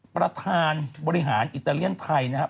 ประธานบริหารอิตาเลียนไทยนะครับ